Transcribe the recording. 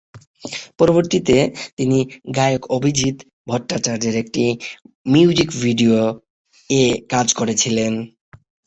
পরবর্তীতে, তিনি গায়ক অভিজিৎ ভট্টাচার্যের একটি মিউজিক ভিডিও-এ কাজ করেছিলেন।